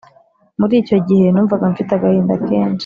muri icyo gihe numvaga mfite agahinda kenshi